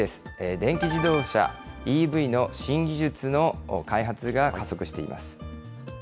電気自動車・ＥＶの新技術の開発が加速しています。